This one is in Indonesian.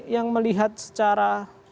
yang melihat secara